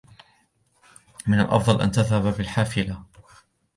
من الأفضل أن تذهب بالحافلة.